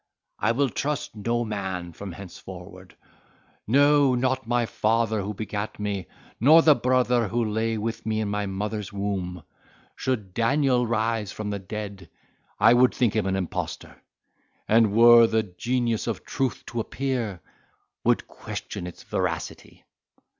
I will trust no man from henceforward—no, not my father who begat me, nor the brother who lay with me in my mother's womb: should Daniel rise from the dead, I would think him an impostor; and were the genius of truth to appear, would question its veracity!"